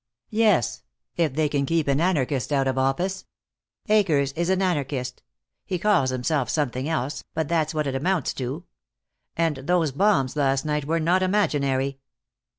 "Yes. If they can keep an anarchist out of office. Akers is an anarchist. He calls himself something else, but that's what it amounts to. And those bombs last night were not imaginary."